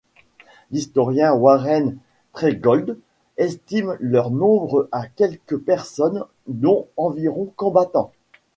L'historien Warren Treadgold estime leur nombre à quelque personnes, dont environ combattants.